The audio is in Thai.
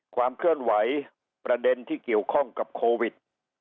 ความเคลื่อนไหวประเด็นที่เกี่ยวข้องกับโควิด